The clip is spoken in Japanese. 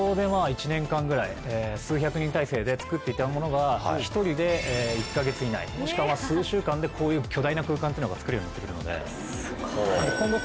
数百人体制で作っていたものが１人で１か月以内もしくは数週間でこういう巨大な空間っていうのが作れるようになっているので今後。